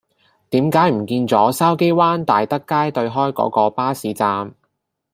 點解唔見左筲箕灣大德街對開嗰個巴士站